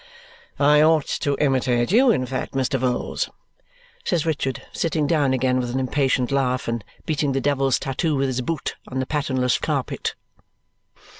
"I ought to imitate you, in fact, Mr. Vholes?" says Richard, sitting down again with an impatient laugh and beating the devil's tattoo with his boot on the patternless carpet.